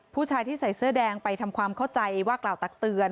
ผู้ชายที่ใส่เสื้อแดงไปทำความเข้าใจว่ากล่าวตักเตือน